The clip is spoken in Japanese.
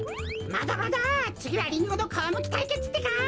まだまだつぎはリンゴのかわむきたいけつってか！